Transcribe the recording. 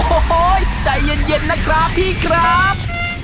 โอ้โหใจเย็นนะครับพี่ครับ